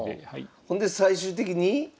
ほんで最終的に？